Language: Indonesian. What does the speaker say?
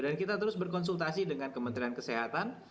dan kita terus berkonsultasi dengan kementerian kesehatan